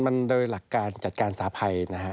มันโดยหลักการจัดการสาภัยนะฮะ